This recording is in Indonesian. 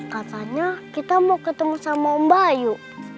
katanya kita mau ketemu sama om bayu